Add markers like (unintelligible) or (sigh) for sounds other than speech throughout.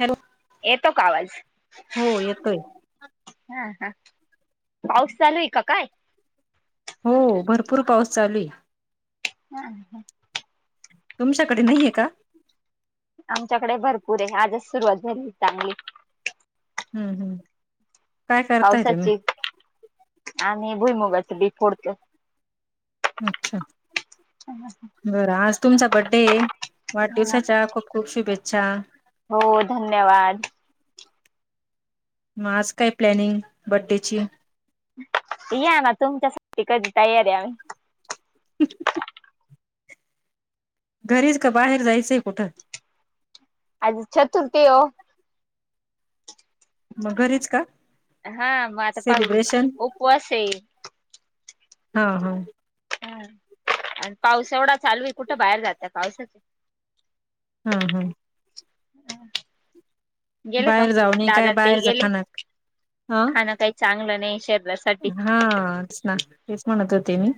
Hello. येतो का आवाज? हो येतोय. हा हा पाऊस चालू आहे का काय? हो भरपूर पाऊस चालू हम् ह तुमच्याकडे नाहीये का आमच्याकडे भरपूर आहे आजच सुरुवात झाली हो चांगली हम्म हम्म काय करताय तुम्ही पावसाची आणि भुई मगाच बी फोडत अच्छा बरं आज तुमचा बड्डे आहे वाढदिवसाच्या खूप खूप शुभेच्छा. हो धन्यवाद. मग आज काय प्लॅनिंग? बड्डेची या ना तुमच्यासाठी कधी तयार आहे आम्ही (unintelligible) घरीच का बाहेर जायचंय कुठं? आज चतुर्थी आहे वो मग घरीच का हा म आता पाहू सेलिब्रेशन उपवास आहे हा हा हा आणि पाऊस एवढा चालू आहे कुठे बाहेर जाता पावसाचे हा हा हम गेले का बाहेर जाऊ नये काय दादां ते बाहेरच गेले खाण अ खाणं काही चांगलं नाही शरीरासाठी हाच ना तेच म्हणत होते मी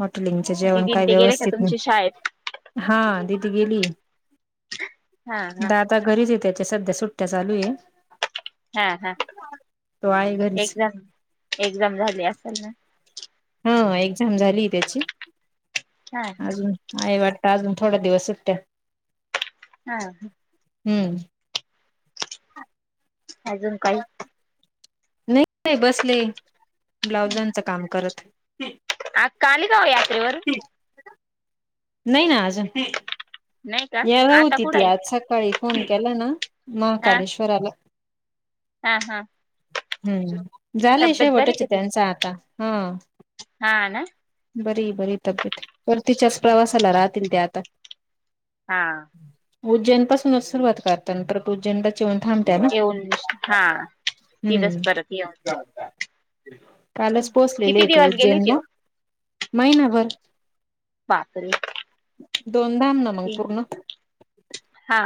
हॉटेलिंगच जेवण दिदीन काही ते गेले का व्यवस्थित नाही, तुमच्या शाळेत हा दिदी गेली. हा हा दादा घरीच आहे त्याच्या सध्या सुट्ट्या चालू आहे. हा हा तो आहे घरीच एक्झाम एक्झाम झाली असल ना हा एक्झाम झालीये त्याची हा हा अजूनय आहे वाट त अजून थोडा दिवस सुट्या हा ह हुं (unintelligible) अजून काही नाही नाही बसले ब्लाउजांच काम करत आक्का आली काव यात्रेवरून? नाही ना आजून नाही का ह्याला आता होती कुठं ती आहे आज सकाळी फोन केला ना हा महाकालेश्वराला हा हा हुं हू झालंय तब्येत बरी शेवटच हे का तिची त्यांचा आता हा हा ना बरी बरी तब्येत परतिच्याच प्रवासला राहतीन ते आता हा उज्जैन पासूनच सुरवात करताना परत उज्जैन येऊन थांबत्या ना. येऊन हा तिथंच परत येऊन कालच पोहोचलेले किती इथे दिवस गेली होती उज्जैनला ओ महिनाभर बापरे दोन दाब ना मग पूर्ण हा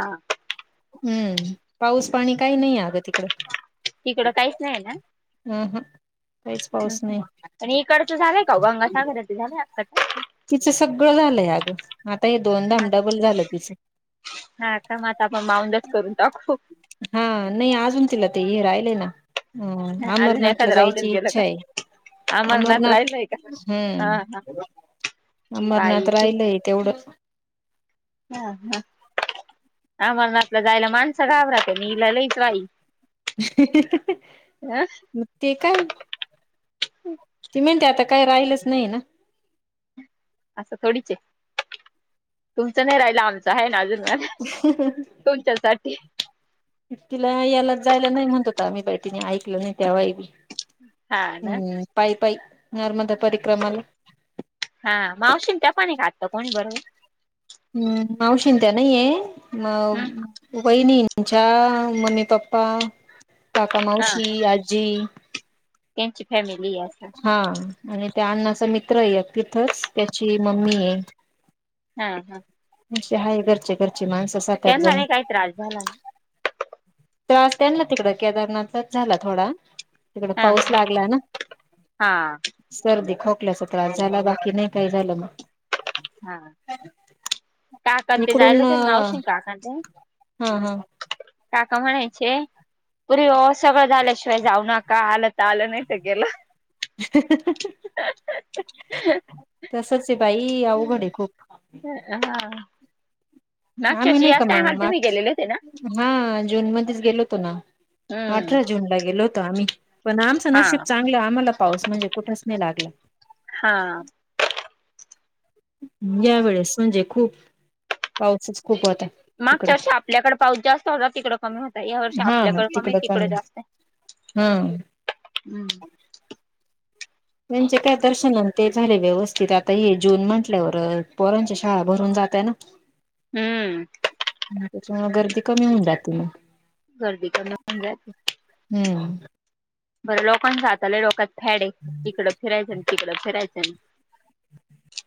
हुं पाऊस पाणी काही नाही अगं तिकड तिकडं अ ह ह आणि इकडचं झालंय का गंगासागर झालंय अक्काच तिचं सगळं झालंय. आता हे दोनदाम डबल झालं तिचं हा का मग आता आपण माऊंदच करून टाकू हा नाही अजून तिला ते ये राय ह अजून अमरनाथला एखादं राहूनच जायची गेलं इच्छा का आहे. अमरनाथ राहिलय का ह हा हा अमरनाथ बाई किती राहिलंय तेवढंच हा हा अमरनाथला जायला माणसं घाबरात आहे इला लईच बाई अ मग ते काय ती म्हणते आता काय राहिलच नाही ना असं थोडीच तुमचं नाही राहिलं आमचं आहे ना अजून तुमच्या सा तिला याला जायला नाही म्हणतोता आम्ही बैटीने ऐकल नाही त्याव्हाबी हा ना हम्म पाई पाई नर्मदा परिक्रमाला हा मावशीमच्या पाणी खातत कोणी बरोबर हम्म मावशी त्या नाहीय हम् म बहिणीच्या मम्मी पप्पा काका हा मावशी आजी त्यांची फॅमिली असा हा आणि त्या अण्णाचा मित्र य तिथंच त्याची मम्मी आहे हा हा म्हणे हाय घरचे घरचे माणसं सातठ त्यांना जण नाही काही त्रास झाला ना त्रास त्यां ना तिकड केदारनाथच झाला थोडा तिकड हा पाऊस लागला ना हा सर्दी ख कल्या त्रास झाला बाकी नाही काही झालं मग हा काकां ते इकडून जायलाच मावशी काकांते हा हा का का म्हणायचे पुर्री सगळं झाल्याशिवाय जाऊ नका आलंत आलं नाही तर गेलं तर सचचे भई आं घडे खूप हा हा मागच्या मी वर्षी नाही का याच मग टायमाला तुम्ही मार्च गेलेले होते ना हा जून मध्येच गेलो होतो ना हम्म अठरा जून ला गेलो होतो आम्ही पण आमचं हा नशिब चांगलं आ मला पाऊस म्हणजे कुठच नाही लागला हा यावेेळेस म्हणजे खूप पाऊसच खूप होता तिकडं मागच्या वर्षी आपल्याकडे पाऊस जास्त होता तिकडे कमी होता या वर्षी आपल्याकडे कमी तिकडे जास्त हम हम्म म्हणजे काय दर्शनान ते झाले व्यवस्थित आता ये जून म्हंटल्यावरच पंच्या शाळा भरून जातय ना हम्म त्याच्या गर्दी कमी होऊ जाते नाग गर्दी कमी होऊ हम्म बर लोकां सातालाय लोकत फॅडे तिकडडे फिरायचं आणि तिकड फिरायचं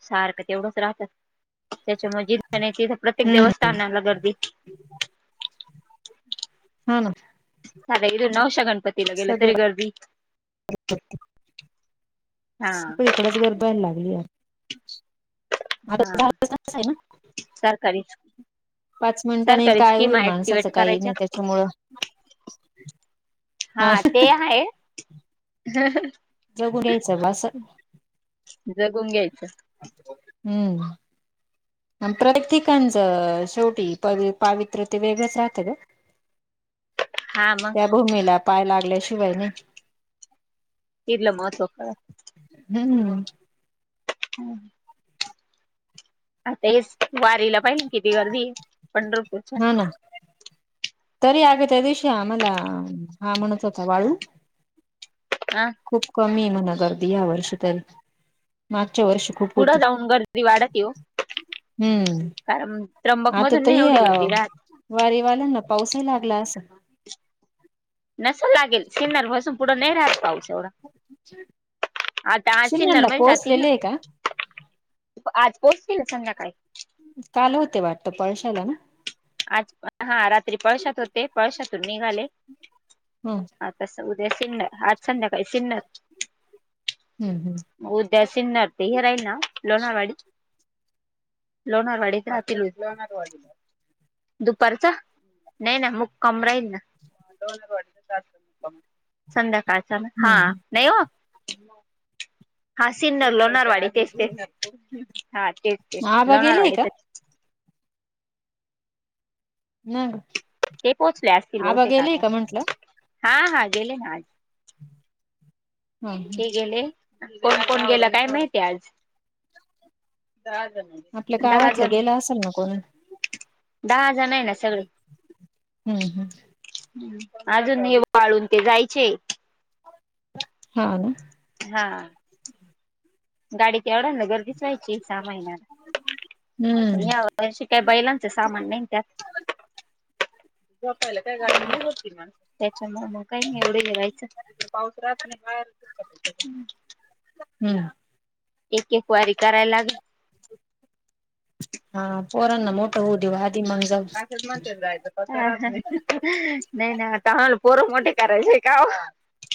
सारखं तेवढंच राहतात त्याच्यामध्येज तिथं प्रत्येक हम्म देवस्थानाला गर्दी हा ना सा इथ नवशा गणपती लागेल सगळे तरी गरदी सगळी इकडच गरदायला लागली यार हा आताच आहे ना सरकारी पाच मिनिट आणि सरकारी काय स्कीमा होईल माणसाचं ऍक्टिवेट काही करायच्या नाही त्याच्यामुळं हा ते आहे जगू घ्यायचं बसं जगून घ्यायचं हम्म प्रतक ठिकाणचं शेवटी पावित्र्य ते वेगळंच राहत ग (inaudible) हा मग त्या भूमीला पाय लागल्याशिवाय न केलं महत्व खर हम् हम् आता हेच वारीला पाहिले किती गर्दी आहे पंढरपूरच्या हा ना तरी आग त्या दिवशी आम्हाला हा म्हणत होता वाळू अ खूप कमी म्हणा ग रर्दी या वर्षात पुढं जाऊन गर्दी वाढत ये हम्म कारम आता त वारीवाल्या ना पाऊसही लागला असं नसेल लागेल सिनर पासून पुढं नाही राहत पाऊस एवढा आता आज सिन्नर सिन्नरला मध्ये जातील पोहोचलेले आहे का ना आज पोहोचतील संध्याकाळी काल होते वाटत पळशाला ना आज हा रात्री पळशात होते पळशातून निघाले ह हा तस सिन्नर आज संध्याकाळी सिन्नर हम्म उद्या सिन्नर ते हिराई ना लोणावाडी लोणारवाडी जील लोणारवाडीला दुपारचा नाही ना मग कम राहील ना संध्याकाळच्या हा हम्म नाही हो हा सिन्नर लोणारवाडी तेच ते हा तेच ते आबा लावणार गेलेय का वाडीथ ना ग ते पोचले असतील आबा बहुतेक गेलेय आता का म्हंटलं हा हा गेले ना आज ह हे गेले कोण कोण गेला काय माहितीय आज दहा जण आपल्या दहा गावातलं जण गेला असेल ना कोणी दहा जण आहे ना सगळे हम्म हम्म अजून वाळून ते जायचे हा ना हा गाडीच्या एवढा ना गर्दीच व्हायची सहा महिन्याला प हम्म या काही बैलांच सामान नाही त्यात पायला काय गाडी नाही होतील माण मग काही नाही एवढे नाही राहायचं पाऊस रात नाही हम् एक एक वायरी कराय लागेल हा पोरण ना मोठं होऊ देव नाही नाही आ तला पोर मोठ कयचे का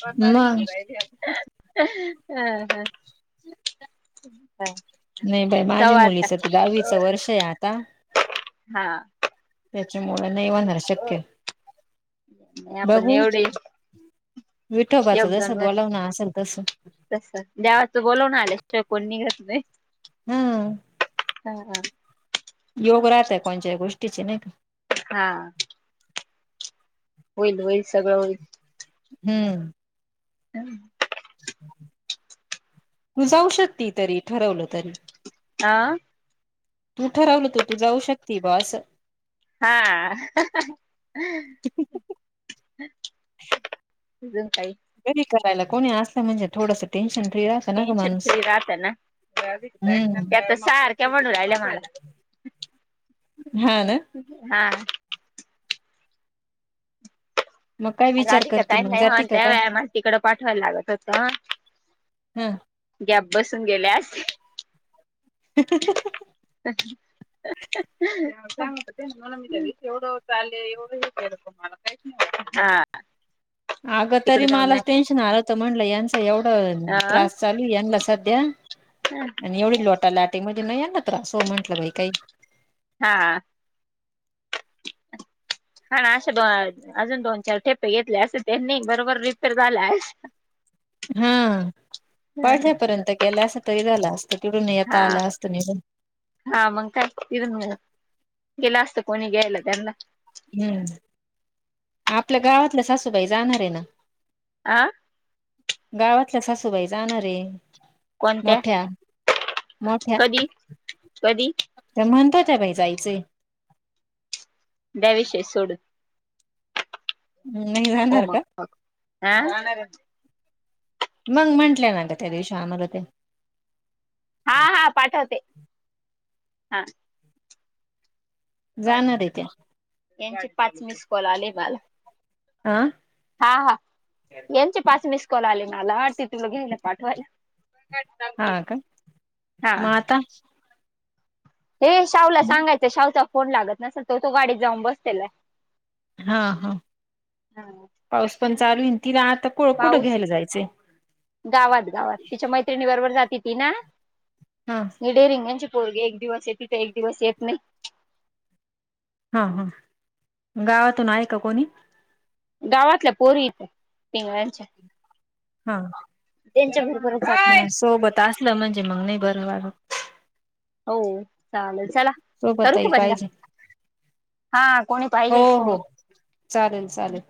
पर बाड मग हम ह नाही बाई (unintelligible) जाऊ माझ्या आता मुलीचं तर दहावीचं वर्ष आहे आता हा त्याच्यामुळे नाही होणार शक्य नाही आपण बघू एवढे विठोबाच दोन जसं वर्ष बोलाव ना असेल तस तस देवाचं बोलवून आल्याशिवाय कोणी निघत नाही हम्म हा हा योग राहतय कोणच्या्य गोष्टीचे नाही का हा होईल होईल सगळं होईल हम्म हम् ु जाऊ शकती तरी ठरवलं तरी आ तू ठरवलं तू तू जाऊ शकते बस हा अजून काही घरी करायला कोणी असलं म्हणजे थोडस टेन्शन फ्री राहतं ना ग टेन्शन माणूस फ्री राहत ना हम्म आता सारख्या म्हणून राहिल्या मला हा ना हा मग काय विचार राधिक का करते काईम मग नाही ह जाते का त्या काय व माण तिकडं पाठवायला लागत होत हम्म बसून गेल्यास सांग ते मी एवढं चालले एवढं हे त मला काहीच नाही वात अच अगं तरी मलाच टेन्शन आलं होत म्हणलं यांचा एवढं त्रास चालू यांनाच सध्या आणि एवढी लोटा लाटे मध नाही या ना तर असो म्हंटलं बाई काही हा हा ना असे दो अजून दोन चार ठेपे घेतले असं त्यांनी बरोबर रिपेर झाला आहे हा पळसा्यापर्यंत गेला अस तरी झाला अस हा हा मग काय फिरून गेला असत कोणी घ्यायला त्यांना हम्म आपल्या गावातलं सासूबाई जाणार आहे ना आं गावातल्या सासूबाई जाणारे कोणत्या मोठ्या मोठ्या कधी कधी ते म्हणत कठ का जायचे त्या विशय सुोडू म् नाही जाणार का हा मग म्हंटलंय ना ग त्या देवश आमला ते हा हा पाठवते हा जाणार आहे त्या यांचे पाच म स्कॉल आले मला आह हा हा यांचे पाच मिस कॉल आले मला ते तुला घे पाठवायला हा का हा माता हे शाहूला सांगायचं शाहचा फोन लागत नसल तो तो गाडीत जाऊन बसतेला हा हा पाऊस पण चालू इ ती रात पाऊस गावात गावात तिच्या मैत्रिणी बरोबर जाते ती ना हा हीडे रिंगांची पोळगे एक दिवस येते तर एक दिवस येत नाही हा हा गावातून आहे का कोणी गावातल्या पोरी इथं तिंगच्या हा त्यांच्या बरोबर ह सोबत असलं म्हणजे मग नाही बरं वार हो चालेल चला करू सोबतही ख बंदा पाहिजे हा कोणी हो पाहिजे हो चालेल चालेल. सोबत